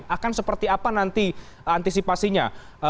akan seperti apa nanti antisipasinya